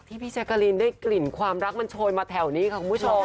พี่แจ๊กกะลีนได้กลิ่นความรักมันโชยมาแถวนี้ค่ะคุณผู้ชม